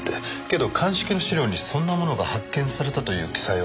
けど鑑識の資料にそんなものが発見されたという記載はなかった。